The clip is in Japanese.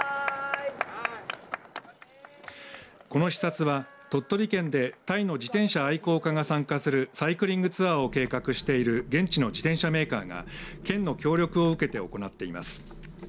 この視察は、鳥取県でタイの自転車愛好家が参加するサイクリングツアーを計画している現地の自転車メーカーが県の協力を受けて行っています。